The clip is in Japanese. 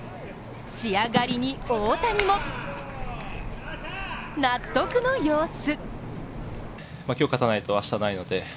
仕上がりに大谷も納得の様子。